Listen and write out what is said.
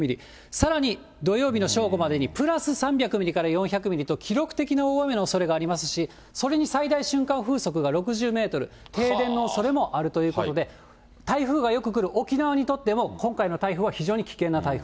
さらに土曜日の正午までにプラス３００ミリから４００ミリと、記録的な大雨のおそれがありますし、それに最大瞬間風速が６０メートル、停電のおそれもあるということで、台風がよく来る沖縄にとっても、今回の台風は非常に危険な台風。